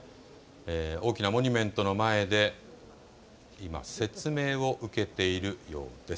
大きなモニュメントの前で今、説明を受けているようです。